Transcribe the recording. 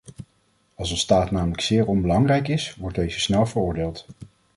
Als een staat namelijk zeer onbelangrijk is, wordt deze snel veroordeeld.